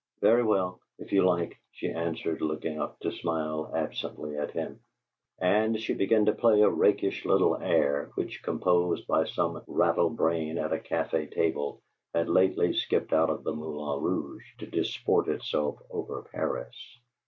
"Very well, if you like," she answered, looking up to smile absently at him. And she began to play a rakish little air which, composed by some rattle brain at a cafe table, had lately skipped out of the Moulin Rouge to disport itself over Paris.